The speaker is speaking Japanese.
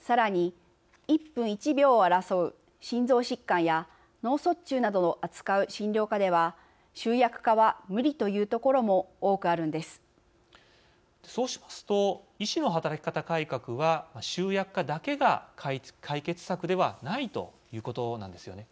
さらに、１分１秒を争う心臓疾患や脳卒中などを扱う診療科では集約化は無理というところもそうしますと医師の働き方改革は集約化だけが解決策ではないということなんですよね。